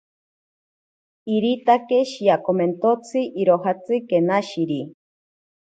Iritake shiakomentotsi irojatsi kenashiri.